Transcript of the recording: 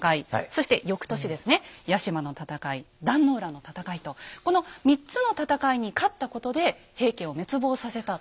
そして翌年ですね屋島の戦い壇の浦の戦いとこの３つの戦いに勝ったことで平家を滅亡させた。